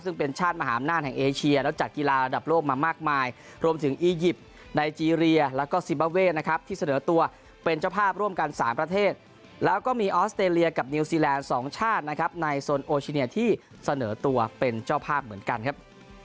ซึ่งเป็นชาติมหาอำนาจแห่งเอเชียแล้วจัดกีฬาระดับโลกมามากมายรวมถึงอียิปต์ไนเจรียแล้วก็ซิบาเว่นะครับที่เสนอตัวเป็นเจ้าภาพร่วมกัน๓ประเทศแล้วก็มีออสเตรเลียกับนิวซีแลนด์๒ชาตินะครับในโซนโอชิเนียที่เสนอตัวเป็นเจ้าภาพเหมือนกันครับ